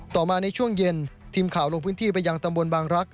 ต่อมาในช่วงเย็นทีมข่าวลงพื้นที่ไปยังตำบลบางรักษ